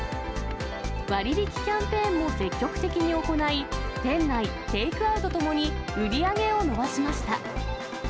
割引キャンペーンも積極的に行い、店内、テイクアウトともに売り上げを伸ばしました。